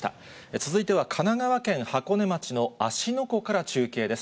続いては神奈川県箱根町の芦ノ湖から中継です。